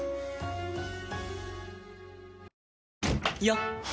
よっ！